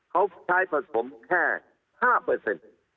เขาใช้ผสมแค่๕